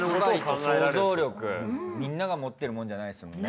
みんなが持ってるものじゃないですもんね。